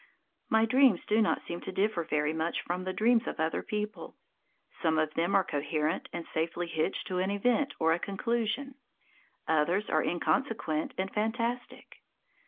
My dreams do not seem to differ very much from the dreams of other people. Some of them are coherent and safely hitched to an event or a conclusion. Others are inconsequent and fantastic.